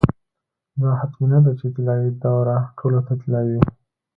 دا حتمي نه ده چې طلايي دوره ټولو ته طلايي وي.